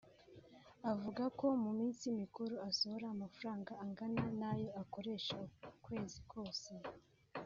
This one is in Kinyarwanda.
avuga ko mu minsi mikuru asohora amafaranga angana n’ayo akoresha ukwezi kose